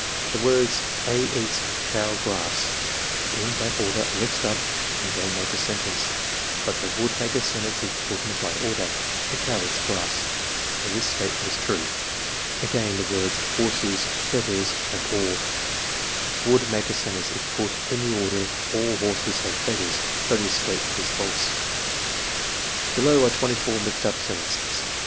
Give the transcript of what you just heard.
'The words a eats cow grass in that order are mixed up and don't make a sentence; but they would make a sentence if put in the right order: a cow eats grass, and this statement is true. " 'Again, the words horses feathers have all would make a sentence if put in the order aU horses have feathers, but this statement is false. " 'Below are 24 mixed up sentences.